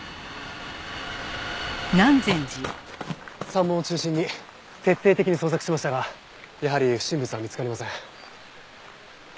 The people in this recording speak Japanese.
三門を中心に徹底的に捜索しましたがやはり不審物は見つかりません。